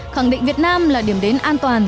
khẳng định việt nam là điểm đến an toàn